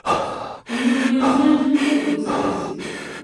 Oyo omulenzi yantamako lugezigezi.